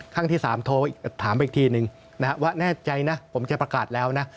ครั้งที่๓โทรถามไปอีกทีนึงนะฮะว่าแน่ใจนะผมจะประกาศแล้วนะ